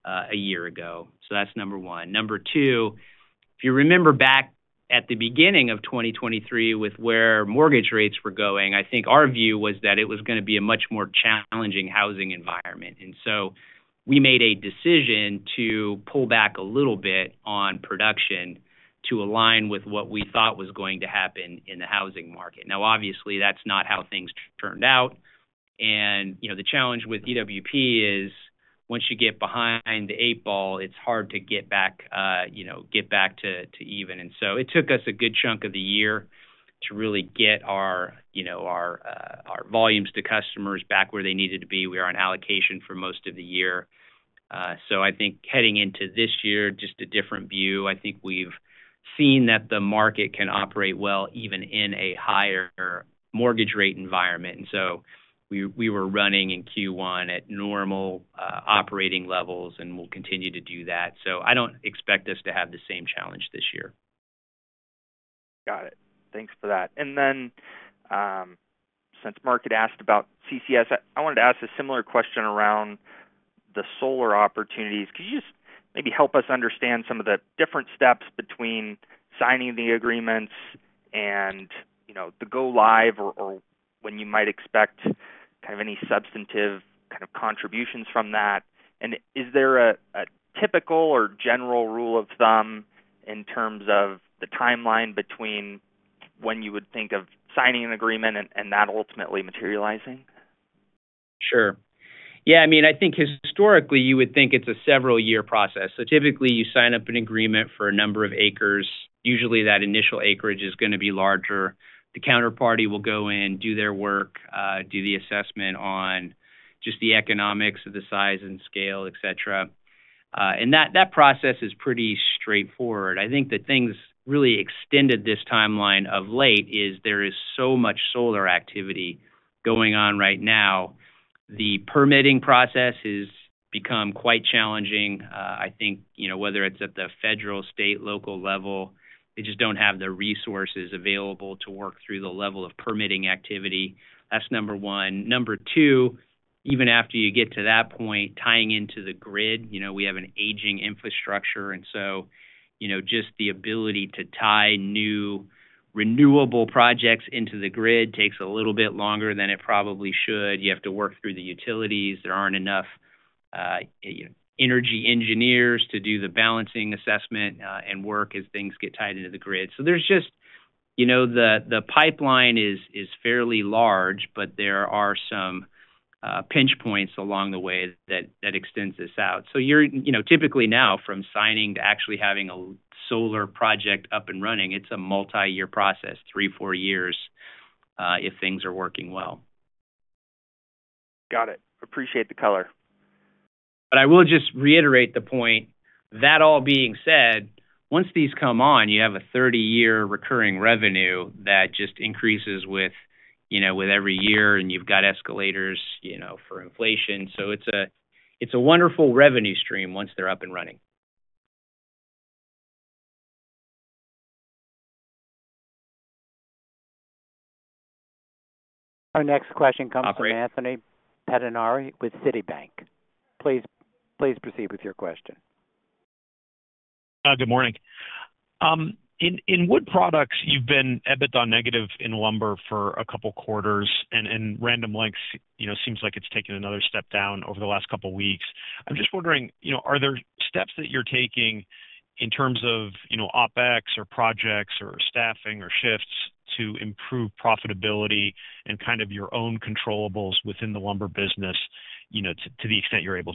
a year ago, so that's number one. Number two, if you remember back at the beginning of 2023 with where mortgage rates were going, I think our view was that it was going to be a much more challenging housing environment. So we made a decision to pull back a little bit on production to align with what we thought was going to happen in the housing market. Now, obviously, that's not how things turned out. And the challenge with EWP is once you get behind the eight ball, it's hard to get back to even. And so it took us a good chunk of the year to really get our volumes to customers back where they needed to be. We were on allocation for most of the year. So I think heading into this year, just a different view. I think we've seen that the market can operate well even in a higher mortgage rate environment. And so we were running in Q1 at normal operating levels, and we'll continue to do that. So I don't expect us to have the same challenge this year. Got it. Thanks for that. And then since Mark had asked about CCS, I wanted to ask a similar question around the solar opportunities. Could you just maybe help us understand some of the different steps between signing the agreements and the go-live or when you might expect kind of any substantive kind of contributions from that? And is there a typical or general rule of thumb in terms of the timeline between when you would think of signing an agreement and that ultimately materializing? Sure. Yeah. I mean, I think historically, you would think it's a several-year process. So typically, you sign up an agreement for a number of acres. Usually, that initial acreage is going to be larger. The counterparty will go in, do their work, do the assessment on just the economics of the size and scale, etc. And that process is pretty straightforward. I think the things really extended this timeline of late is there is so much solar activity going on right now. The permitting process has become quite challenging, I think, whether it's at the federal, state, local level. They just don't have the resources available to work through the level of permitting activity. That's number 1. Number 2, even after you get to that point, tying into the grid, we have an aging infrastructure. So just the ability to tie new renewable projects into the grid takes a little bit longer than it probably should. You have to work through the utilities. There aren't enough energy engineers to do the balancing assessment and work as things get tied into the grid. So the pipeline is fairly large, but there are some pinch points along the way that extends this out. So typically now, from signing to actually having a solar project up and running, it's a multi-year process, three four years if things are working well. Got it. Appreciate the color. But I will just reiterate the point. That all being said, once these come on, you have a 30-year recurring revenue that just increases with every year, and you've got escalators for inflation. So it's a wonderful revenue stream once they're up and running. Our next question comes from Anthony Pettinari with Citibank. Please proceed with your question. Good morning. In Wood Products, you've been EBITDA negative in lumber for a couple of quarters, and Random Lengths seems like it's taken another step down over the last couple of weeks. I'm just wondering, are there steps that you're taking in terms of OpEx or projects or staffing or shifts to improve profitability and kind of your own controllables within the lumber business to the extent you're able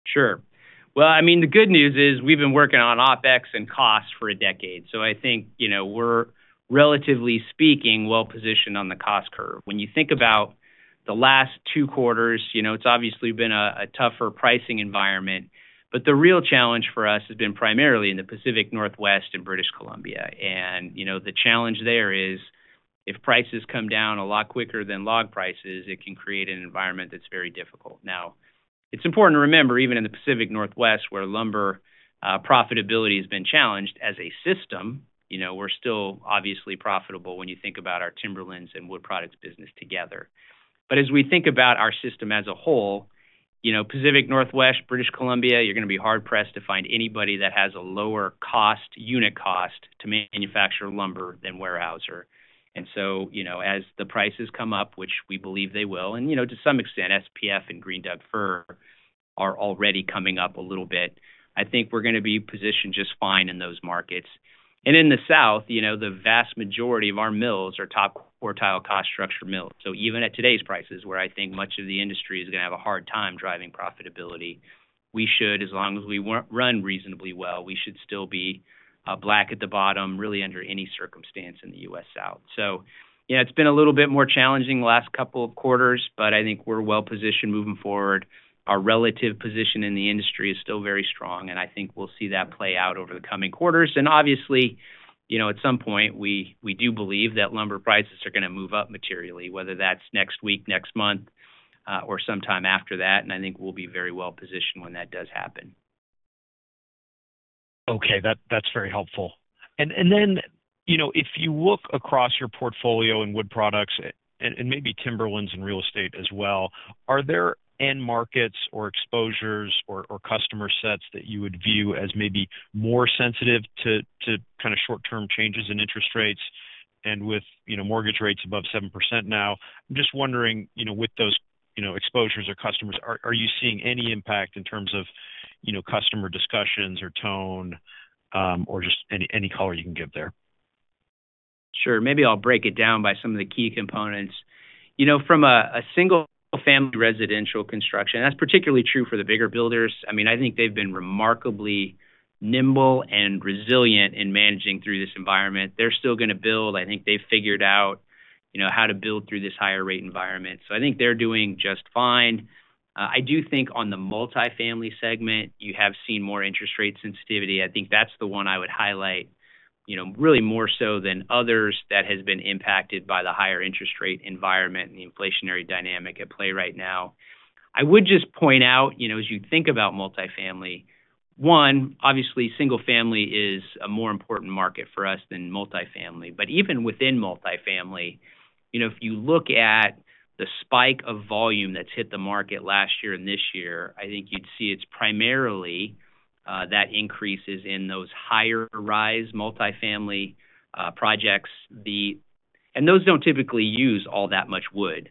to discuss? Sure. Well, I mean, the good news is we've been working on OpEx and costs for a decade, so I think we're, relatively speaking, well-positioned on the cost curve. When you think about the last two quarters, it's obviously been a tougher pricing environment, but the real challenge for us has been primarily in the Pacific Northwest and British Columbia. And the challenge there is if prices come down a lot quicker than log prices, it can create an environment that's very difficult. Now, it's important to remember, even in the Pacific Northwest where lumber profitability has been challenged as a system, we're still obviously profitable when you think about our timberlands and wood products business together. But as we think about our system as a whole, Pacific Northwest, British Columbia, you're going to be hard-pressed to find anybody that has a lower unit cost to manufacture lumber than Weyerhaeuser. And so as the prices come up, which we believe they will, and to some extent, SPF and green Doug Fir are already coming up a little bit, I think we're going to be positioned just fine in those markets. And in the South, the vast majority of our mills are top-quartile cost structure mills. So even at today's prices, where I think much of the industry is going to have a hard time driving profitability, as long as we run reasonably well, we should still be black at the bottom, really under any circumstance in the U.S. South. So it's been a little bit more challenging the last couple of quarters, but I think we're well-positioned moving forward. Our relative position in the industry is still very strong, and I think we'll see that play out over the coming quarters. Obviously, at some point, we do believe that lumber prices are going to move up materially, whether that's next week, next month, or sometime after that. I think we'll be very well-positioned when that does happen. Okay. That's very helpful. Then if you look across your portfolio in wood products and maybe timberlands and real estate as well, are there end markets or exposures or customer sets that you would view as maybe more sensitive to kind of short-term changes in interest rates? With mortgage rates above 7% now, I'm just wondering, with those exposures or customers, are you seeing any impact in terms of customer discussions or tone or just any color you can give there? Sure. Maybe I'll break it down by some of the key components. From a single-family residential construction, that's particularly true for the bigger builders. I mean, I think they've been remarkably nimble and resilient in managing through this environment. They're still going to build. I think they've figured out how to build through this higher-rate environment. So I think they're doing just fine. I do think on the multifamily segment, you have seen more interest rate sensitivity. I think that's the one I would highlight, really more so than others, that has been impacted by the higher interest rate environment and the inflationary dynamic at play right now. I would just point out, as you think about multifamily, one, obviously, single-family is a more important market for us than multifamily. But even within multifamily, if you look at the spike of volume that's hit the market last year and this year, I think you'd see it's primarily that increase is in those higher-rise multifamily projects. And those don't typically use all that much wood.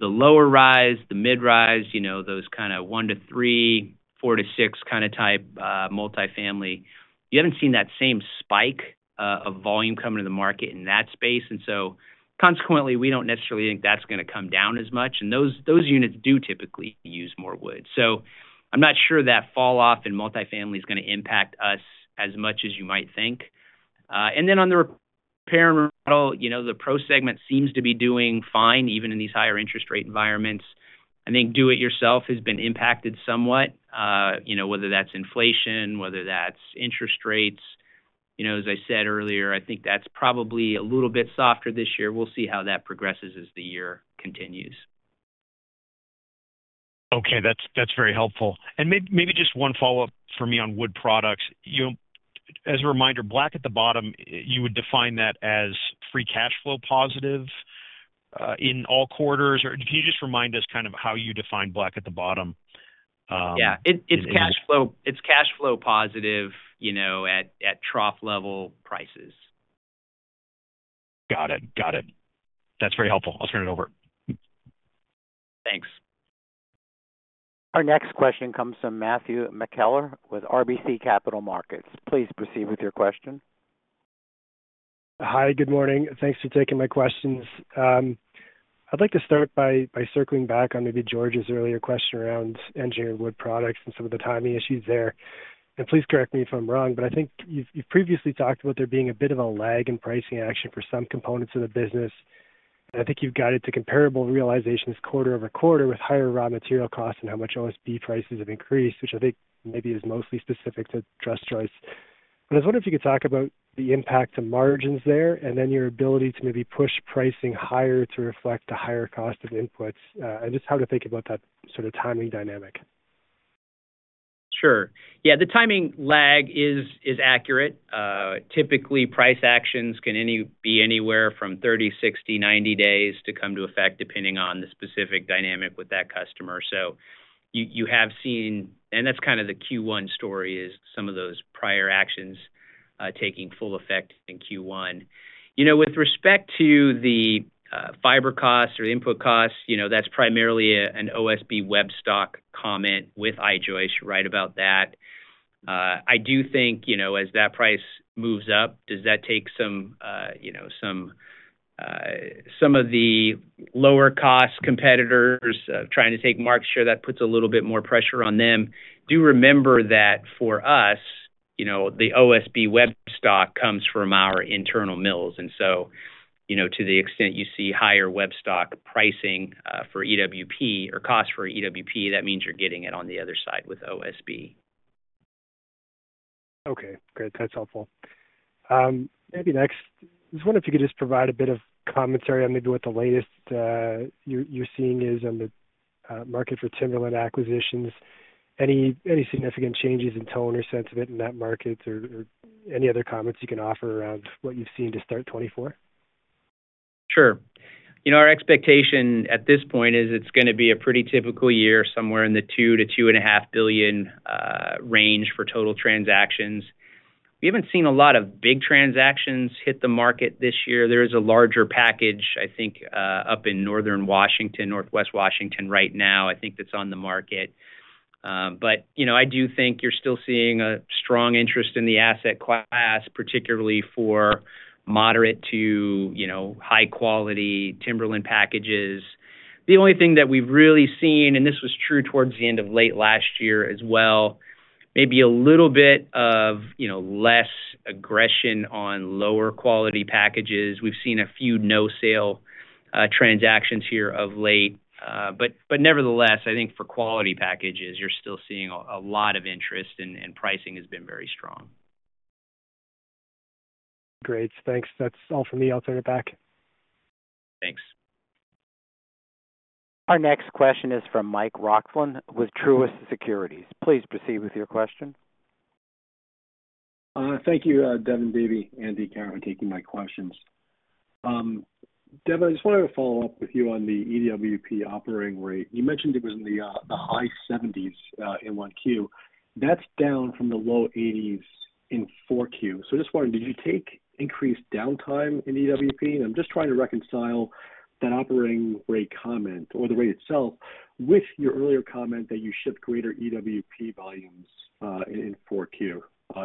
The lower-rise, the mid-rise, those kind of one to three, four to six kind of type multifamily, you haven't seen that same spike of volume coming to the market in that space. And so consequently, we don't necessarily think that's going to come down as much. And those units do typically use more wood. So I'm not sure that falloff in multifamily is going to impact us as much as you might think. And then on the repair and remodel, the pro segment seems to be doing fine even in these higher-interest rate environments. I think do-it-yourself has been impacted somewhat, whether that's inflation, whether that's interest rates. As I said earlier, I think that's probably a little bit softer this year. We'll see how that progresses as the year continues. Okay. That's very helpful. Maybe just one follow-up for me on wood products. As a reminder, black at the bottom, you would define that as free cash flow positive in all quarters? Or can you just remind us kind of how you define black at the bottom? Yeah. It's cash flow positive at trough-level prices. Got it. Got it. That's very helpful. I'll turn it over. Thanks. Our next question comes from Matthew McKellar with RBC Capital Markets. Please proceed with your question. Hi. Good morning. Thanks for taking my questions. I'd like to start by circling back on maybe George's earlier question around engineered wood products and some of the timing issues there. Please correct me if I'm wrong, but I think you've previously talked about there being a bit of a lag in pricing action for some components of the business. I think you've got it to comparable realizations quarter over quarter with higher raw material costs and how much OSB prices have increased, which I think maybe is mostly specific to Trus Joist. But I was wondering if you could talk about the impact to margins there and then your ability to maybe push pricing higher to reflect the higher cost of inputs and just how to think about that sort of timing dynamic. Sure. Yeah. The timing lag is accurate. Typically, price actions can be anywhere from 30, 60, 90 days to come to effect depending on the specific dynamic with that customer. So you have seen and that's kind of the Q1 story is some of those prior actions taking full effect in Q1. With respect to the fiber costs or the input costs, that's primarily an OSB Webstock comment with I-joists we'll write about that. I do think as that price moves up, does that take some of the lower-cost competitors trying to take market share, that puts a little bit more pressure on them. Do remember that for us, the OSB Webstock comes from our internal mills. And so to the extent you see higher Webstock pricing for EWP or cost for EWP, that means you're getting it on the other side with OSB. Okay. Great. That's helpful. Maybe next, I was wondering if you could just provide a bit of commentary on maybe what the latest you're seeing is on the market for timberland acquisitions. Any significant changes in tone or sense of it in that market or any other comments you can offer around what you've seen to start 2024? Sure. Our expectation at this point is it's going to be a pretty typical year, somewhere in the $2 billion-$2.5 billion range for total transactions. We haven't seen a lot of big transactions hit the market this year. There is a larger package, I think, up in northern Washington, northwest Washington right now, I think that's on the market. But I do think you're still seeing a strong interest in the asset class, particularly for moderate to high-quality timberland packages. The only thing that we've really seen, and this was true towards the end of late last year as well, maybe a little bit of less aggression on lower-quality packages. We've seen a few no-sale transactions here of late. But nevertheless, I think for quality packages, you're still seeing a lot of interest, and pricing has been very strong. Great. Thanks. That's all from me. I'll turn it back. Thanks. Our next question is from Michael Roxland with Truist Securities. Please proceed with your question. Thank you, Devin, Dave, Andy, Karen, for taking my questions. Devin, I just wanted to follow up with you on the EWP operating rate. You mentioned it was in the high 70s in 1Q. That's down from the low 80s in 4Q. So I'm just wondering, did you take increased downtime in EWP? And I'm just trying to reconcile that operating rate comment or the rate itself with your earlier comment that you shipped greater EWP volumes in 4Q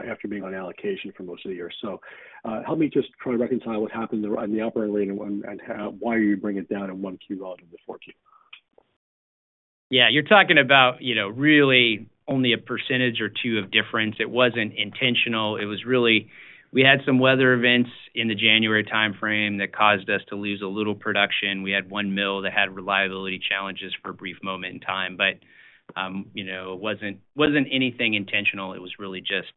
after being on allocation for most of the year. So help me just try to reconcile what happened on the operating rate and why you bring it down in 1Q relative to 4Q. Yeah. You're talking about really only 1% or 2% of difference. It wasn't intentional. We had some weather events in the January timeframe that caused us to lose a little production. We had one mill that had reliability challenges for a brief moment in time. But it wasn't anything intentional. It was really just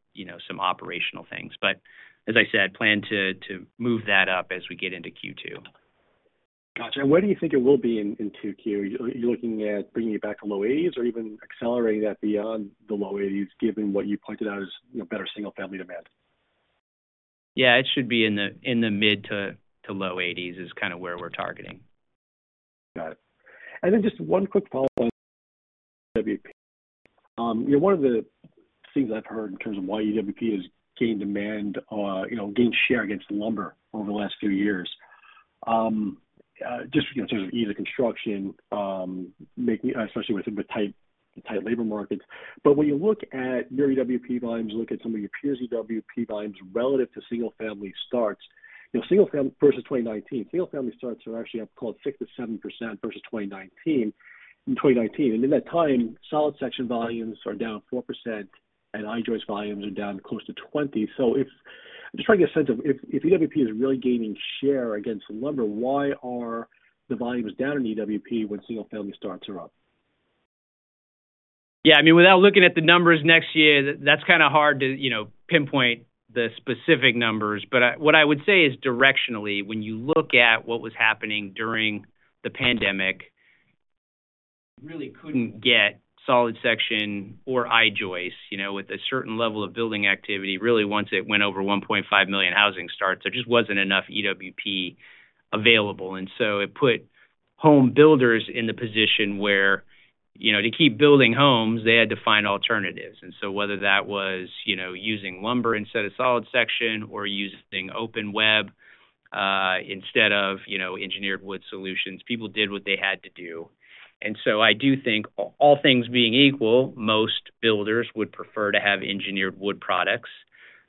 some operational things. But as I said, plan to move that up as we get into Q2. Gotcha. And where do you think it will be in 2Q? You're looking at bringing it back to low 80s or even accelerating that beyond the low 80s, given what you pointed out as better single-family demand? Yeah. It should be in the mid to low 80s is kind of where we're targeting. Got it. And then just one quick follow-up on EWP. One of the things I've heard in terms of why EWP has gained demand, gained share against lumber over the last few years, just in terms of ease of construction, especially with tight labor markets. But when you look at your EWP volumes, look at some of your peers' EWP volumes relative to single-family starts versus 2019, single-family starts are actually up, call it, 6%-7% versus 2019. And in that time, solid section volumes are down 4%, and I-joists volumes are down close to 20%. So I'm just trying to get a sense of if EWP is really gaining share against lumber, why are the volumes down in EWP when single-family starts are up? Yeah. I mean, without looking at the numbers next year, that's kind of hard to pinpoint the specific numbers. But what I would say is directionally, when you look at what was happening during the pandemic, you really couldn't get solid section or I-joists with a certain level of building activity really once it went over 1.5 million housing starts. There just wasn't enough EWP available. And so it put home builders in the position where to keep building homes, they had to find alternatives. And so whether that was using lumber instead of solid section or using open web instead of engineered wood solutions, people did what they had to do. And so I do think, all things being equal, most builders would prefer to have engineered wood products.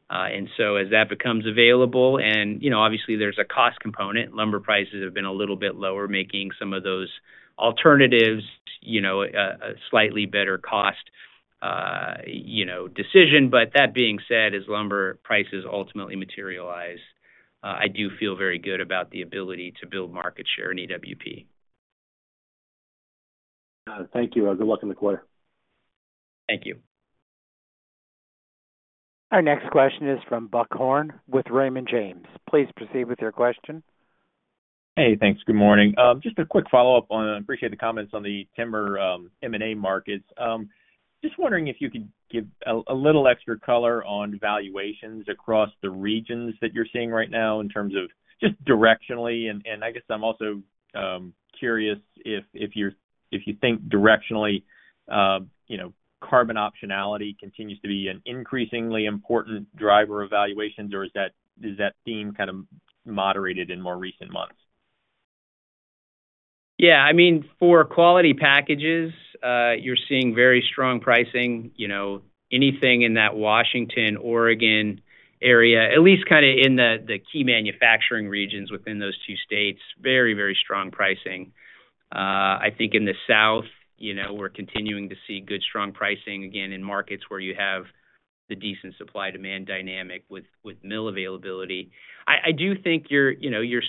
And so as that becomes available and obviously, there's a cost component. Lumber prices have been a little bit lower, making some of those alternatives a slightly better cost decision. But that being said, as lumber prices ultimately materialize, I do feel very good about the ability to build market share in EWP. Got it. Thank you. Good luck in the quarter. Thank you. Our next question is from Buck Horne with Raymond James. Please proceed with your question. Hey. Thanks. Good morning. Just a quick follow-up. I appreciate the comments on the timber M&A markets. Just wondering if you could give a little extra color on valuations across the regions that you're seeing right now in terms of just directionally. And I guess I'm also curious if you think directionally, carbon optionality continues to be an increasingly important driver of valuations, or is that theme kind of moderated in more recent months? Yeah. I mean, for quality packages, you're seeing very strong pricing. Anything in that Washington, Oregon area, at least kind of in the key manufacturing regions within those two states, very, very strong pricing. I think in the South, we're continuing to see good, strong pricing, again, in markets where you have the decent supply-demand dynamic with mill availability. I do think you're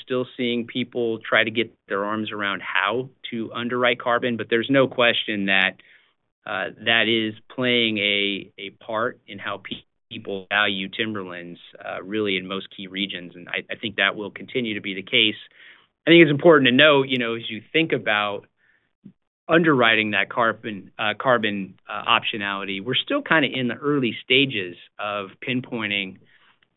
still seeing people try to get their arms around how to underwrite carbon. But there's no question that that is playing a part in how people value timberlands really in most key regions. And I think that will continue to be the case. I think it's important to note, as you think about underwriting that carbon optionality, we're still kind of in the early stages of pinpointing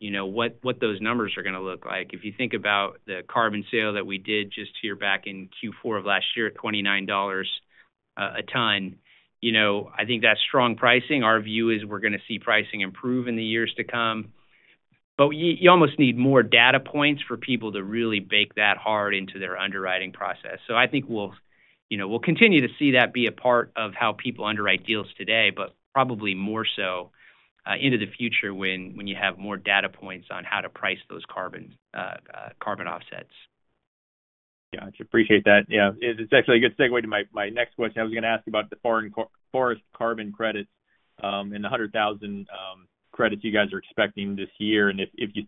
what those numbers are going to look like. If you think about the carbon sale that we did just here back in Q4 of last year at $29 a ton, I think that's strong pricing. Our view is we're going to see pricing improve in the years to come. But you almost need more data points for people to really bake that hard into their underwriting process. So I think we'll continue to see that be a part of how people underwrite deals today, but probably more so into the future when you have more data points on how to price those carbon offsets. Gotcha. Appreciate that. Yeah. It's actually a good segue to my next question. I was going to ask about the forest carbon credits and the 100,000 credits you guys are expecting this year. And if you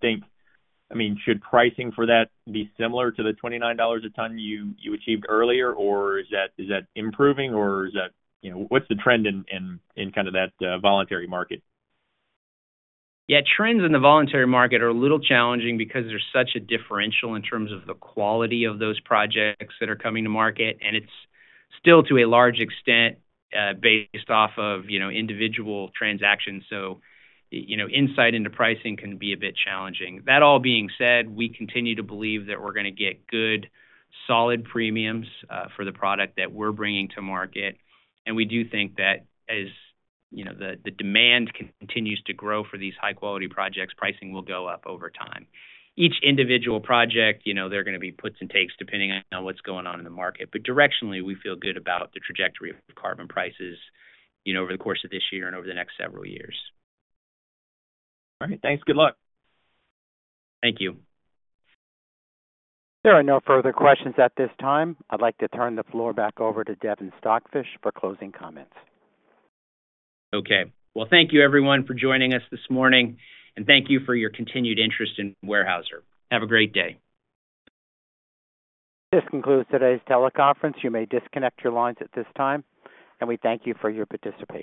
think I mean, should pricing for that be similar to the $29 a ton you achieved earlier, or is that improving, or is that what's the trend in kind of that voluntary market? Yeah. Trends in the voluntary market are a little challenging because there's such a differential in terms of the quality of those projects that are coming to market. It's still to a large extent based off of individual transactions. Insight into pricing can be a bit challenging. That all being said, we continue to believe that we're going to get good, solid premiums for the product that we're bringing to market. We do think that as the demand continues to grow for these high-quality projects, pricing will go up over time. Each individual project, there are going to be puts and takes depending on what's going on in the market. Directionally, we feel good about the trajectory of carbon prices over the course of this year and over the next several years. All right. Thanks. Good luck. Thank you. There are no further questions at this time. I'd like to turn the floor back over to Devin Stockfish for closing comments. Okay. Well, thank you, everyone, for joining us this morning. Thank you for your continued interest in Weyerhaeuser. Have a great day. This concludes today's teleconference. You may disconnect your lines at this time. We thank you for your participation.